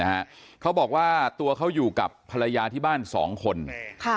เขาบอกว่าตัวเขาอยู่กับภรรยาที่บ้านสองคนค่ะ